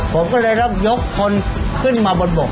ผมก็เลยต้องยกคนขึ้นมาบนบก